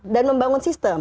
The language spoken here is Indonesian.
dan membangun sistem